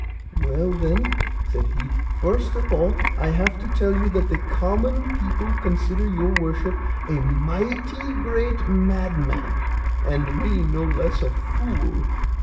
"Well then," said he, "first of all, I have to tell you that the common people consider your worship a mighty great madman, and me no less a fool.